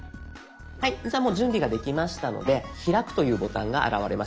はいじゃあもう準備ができましたので「開く」というボタンが現れました。